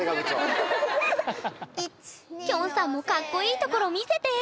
きょんさんもカッコイイところ見せて！